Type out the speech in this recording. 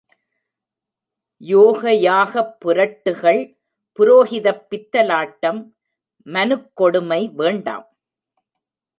யோக யாகப் புரட்டுகள், புரோகிதப் பித்தலாட்டம், மனுக்கொடுமை வேண்டாம்.